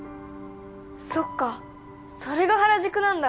そっかそれが原宿なんだ！